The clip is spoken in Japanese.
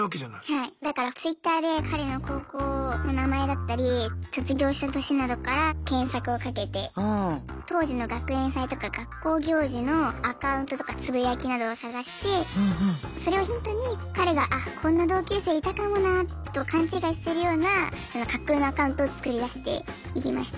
だからＴｗｉｔｔｅｒで彼の高校の名前だったり卒業した年などから検索をかけて当時の学園祭とか学校行事のアカウントとかつぶやきなどを探してそれをヒントに彼があっこんな同級生いたかもなと勘違いするような架空のアカウントを作り出していきました。